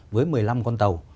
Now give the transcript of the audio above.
ba mươi với một mươi năm con tàu